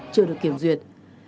chưa được kiểm duyên